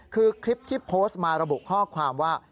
คือคลิปที่โพสต์มาระบุข้อความว่า